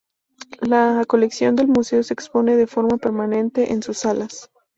La colección del museo se expone de forma permanente en sus salas.